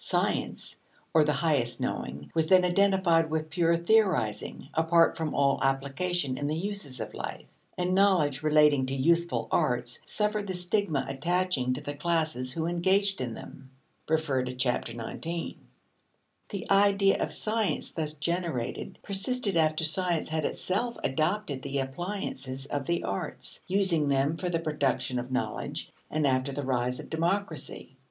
Science, or the highest knowing, was then identified with pure theorizing, apart from all application in the uses of life; and knowledge relating to useful arts suffered the stigma attaching to the classes who engaged in them (See below, Ch. XIX). The idea of science thus generated persisted after science had itself adopted the appliances of the arts, using them for the production of knowledge, and after the rise of democracy.